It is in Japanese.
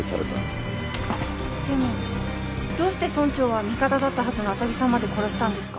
でもどうして村長は味方だったはずの浅木さんまで殺したんですか？